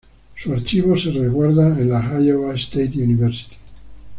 Su archivo se resguarda en la Iowa State University.